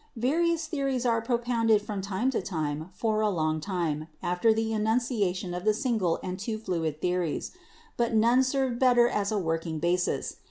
Various theories were propounded from time to time for a long time after the enunciation of the single and two fluid theories, but none served better as a working basis.